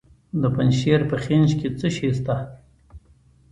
د پنجشیر په خینج کې څه شی شته؟